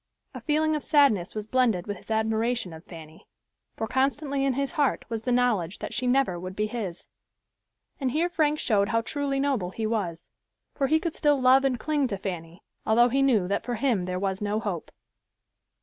A feeling of sadness was blended with his admiration of Fanny, for constantly in his heart was the knowledge that she never would be his. And here Frank showed how truly noble he was, for he could still love and cling to Fanny, although he knew that for him there was no hope.